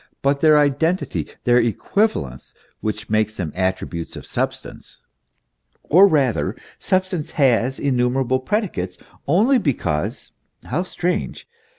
but their identity, their equivalence, which makes them attributes of substance. Or rather, substance has innumerable predicates only because (how strange!)